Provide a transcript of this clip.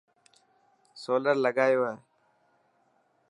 سولر لگايو هي.